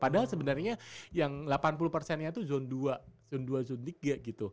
padahal sebenernya yang delapan puluh nya tuh zone dua zone dua zone tiga gitu